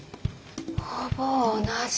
ほぼ同じ。